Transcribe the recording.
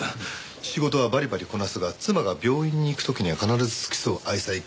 仕事はバリバリこなすが妻が病院に行く時には必ず付き添う愛妻家新堂誠。